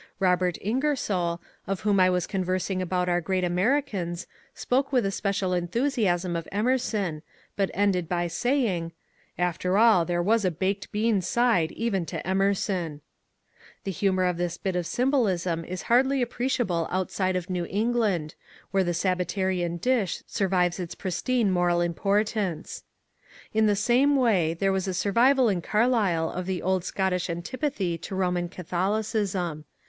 Robert IngersoU, with whom I was conversing about our great Americans, spoke with especial enthusiasm of Emerson, but ended by saying, " After all, there was a baked bean side even to Emerson I " The humour of this bit of sym bolism is hardly appreciable outside of New England, where the Sabbatarian dish survives its pristine moral importance. In the same way there was a survival in Carlyle of the old Scottish antipathy to Roman Catholicism.